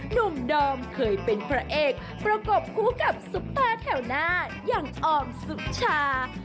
หนุ่มดอมเคยเป็นพระเอกประกบคู่กับซุปตาแถวหน้าอย่างออมสุชา